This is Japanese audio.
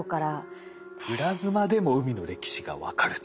プラズマでも海の歴史が分かると。